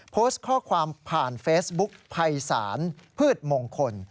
โพสต์ข้อความผ่านเฟซบุ๊คภัยศาลพืชมงคล